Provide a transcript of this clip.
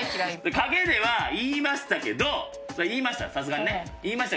陰では言いましたけど言いました